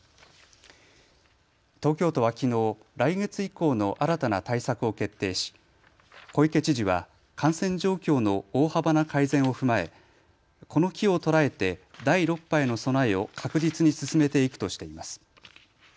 東京都はきのう、来月以降の新たな対策を決定し小池知事は感染状況の大幅な改善を踏まえこの機を捉えて第６波への備えを確実に進めていくとしています。